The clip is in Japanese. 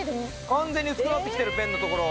完全に薄くなってきてるペンのところ。